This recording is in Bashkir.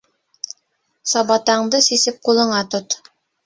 Сабатаңды сисеп ҡулыңа тот.